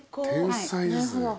天才ですね。